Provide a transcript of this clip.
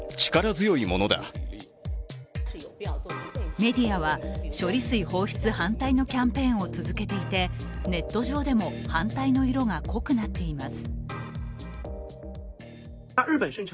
メディアは、処理水放出反対のキャンペーンを続けていて、ネット上でも反対の色が濃くなっています。